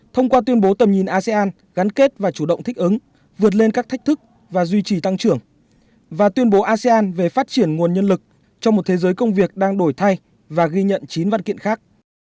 thông qua tuyên bố tầm nhìn asean gắn kết và chủ động thích ứng vượt lên các thách thức và duy trì tăng trưởng và tuyên bố asean về phát triển nguồn nhân lực trong một thế giới công việc đang đổi thay và ghi nhận chín văn kiện khác